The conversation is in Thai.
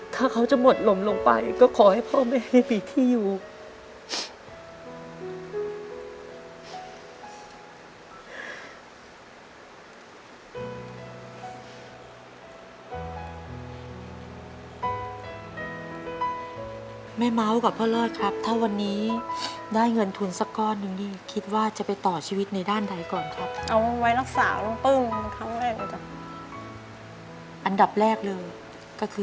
ถ้าเขาจะหมดลมลงไปก็ขอให้พ่อแม่ไม่มีที่อยู่